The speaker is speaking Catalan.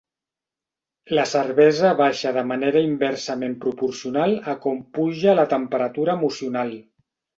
La cervesa baixa de manera inversament proporcional a com puja la temperatura emocional.